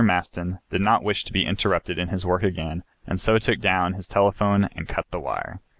Maston did not wish to be interrupted in his work again and so took down his telephone and cut the wire.